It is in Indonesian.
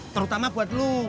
terutama buat lu